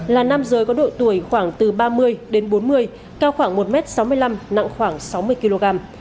là nam giới có độ tuổi khoảng từ ba mươi đến bốn mươi cao khoảng một m sáu mươi năm nặng khoảng sáu mươi kg